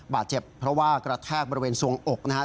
บาดเจ็บเพราะว่ากระแทกบริเวณสวงอกนะครับ